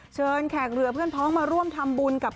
แขกเรือเพื่อนพ้องมาร่วมทำบุญกับ